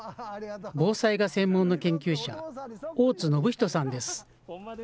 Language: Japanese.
防災が専門の研究者、大津暢人さんです。